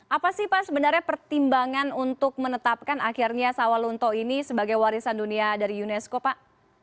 apa sih pak sebenarnya pertimbangan untuk menetapkan akhirnya sawalunto ini sebagai warisan dunia dari unesco pak